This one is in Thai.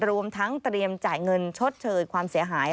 รวมทั้งเตรียมจ่ายเงินชดเชยความเสียหาย